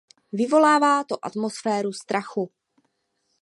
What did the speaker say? Vyvolává to atmosféru strachu.